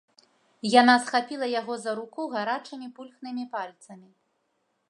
Яна схапіла яго за руку гарачымі пульхнымі пальцамі.